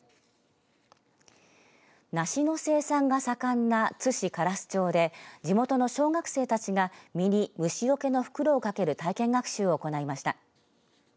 梨の生産が盛んな津市香良洲町で地元の小学生たちが実に虫よけの袋をかける体験学習を行いました。